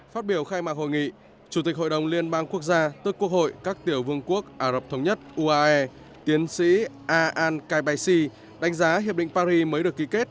phát biểu khai mạc hội nghị chủ tịch hội đồng liên bang quốc gia tức quốc hội các tiểu vương quốc ả rập thống nhất uae tiến sĩ a an kaisi đánh giá hiệp định paris mới được ký kết